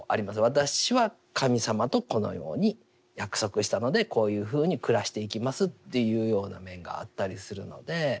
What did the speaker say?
私は神様とこのように約束したのでこういうふうに暮らしていきますというような面があったりするので。